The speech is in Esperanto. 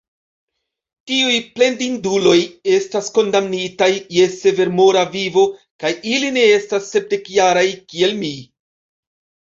Tiuj plendinduloj estas kondamnitaj je severmora vivo, kaj ili ne estas sepdekjaraj, kiel mi.